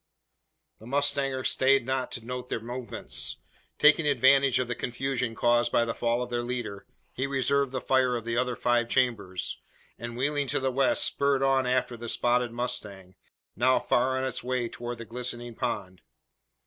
The mustanger stayed not to note their movements. Taking advantage of the confusion caused by the fall of their leader, he reserved the fire of the other five chambers; and, wheeling to the west, spurred on after the spotted mustang, now far on its way towards the glistening pond.